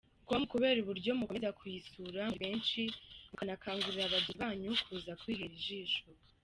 com kubera uburyo mukomeza kuyisura muri benshi mukanakangurira bagenzi banyu kuza kwihera ijisho.